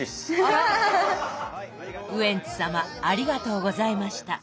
ウエンツ様ありがとうございました。